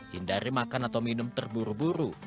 hindari makan atau minum terburu buru